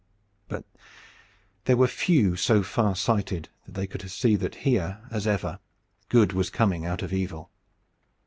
But there were few so far sighted that they could see that here, as ever, good was coming out of evil.